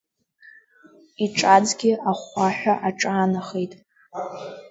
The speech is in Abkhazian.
Иҿаӡгьы ахәхәаҳәа аҿаанахеит.